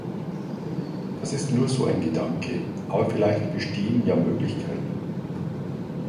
Das ist nur so ein Gedanke, aber vielleicht bestehen da Möglichkeiten.